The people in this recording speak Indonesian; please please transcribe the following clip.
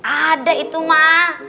ada itu mah